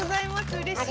うれしい。